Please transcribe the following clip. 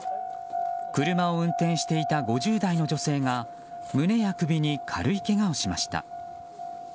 車を運転していた５０代の女性が胸や首に軽いけがをしました。